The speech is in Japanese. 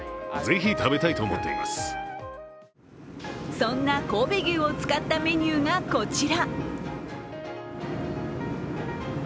そんな神戸牛を使ったメニューがこちら。